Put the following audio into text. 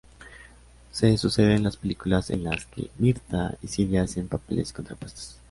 Se suceden las películas en las que Mirtha y Silvia hacen papeles contrapuestos.